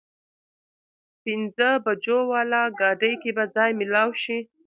پينځه بجو واله ګاډي کې به ځای مېلاو شي؟